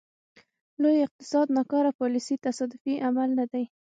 لوی اقتصاد ناکاره پالیسۍ تصادفي عمل نه دی.